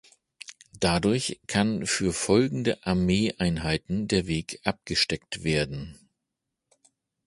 Dadurch kann für folgende Armeeeinheiten der Weg abgesteckt werden.